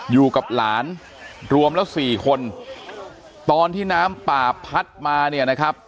อยู่กับหลานรวมแล้วสี่คนตอนที่น้ำป่าพัดมาเนี่ยนะครับ